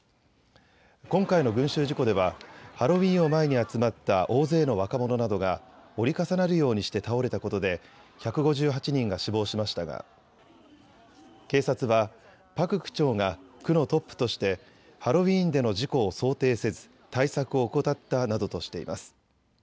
今回の群集事故ではハロウィーンを前に集まった大勢の若者などが折り重なるようにして倒れたことで１５８人が死亡しましたが警察はパク区長が区のトップとしてハロウィーンでの事故を想定せず対策を怠ったなどとしています。